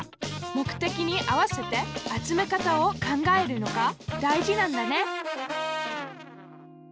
目的に合わせて集め方を考えるのが大事なんだね！